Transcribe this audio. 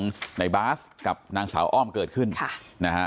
ในบาสกับนางสาวอ้อมเกิดขึ้นค่ะนะฮะ